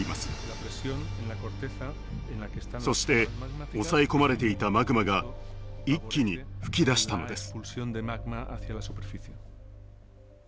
そして抑え込まれていたマグマが一気に噴き出したのです。